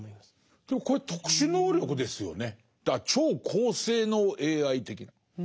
でもこれ特殊能力ですよね。